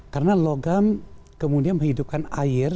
karena logam kemudian menghidupkan air